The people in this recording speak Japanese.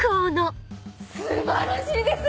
素晴らしいです！